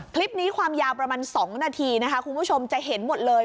คลิปนี้ความยาวประมาณ๒นาทีนะคะคุณผู้ชมจะเห็นหมดเลย